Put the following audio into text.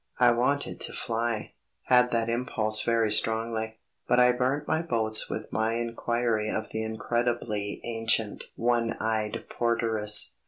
I wanted to fly; had that impulse very strongly; but I burnt my boats with my inquiry of the incredibly ancient, one eyed porteress.